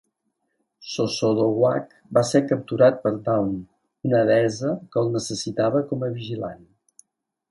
Sosondowah va ser capturat per Dawn, una deessa que el necessitava com a vigilant.